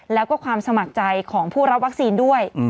แล้วก็ความสมัครใจของผู้รับวัคซีนด้วย